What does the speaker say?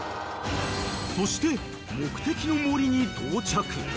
［そして目的の森に］